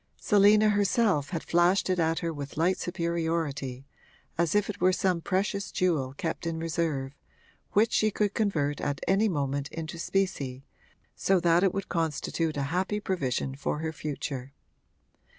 Selina herself had flashed it at her with light superiority, as if it were some precious jewel kept in reserve, which she could convert at any moment into specie, so that it would constitute a happy provision for her future.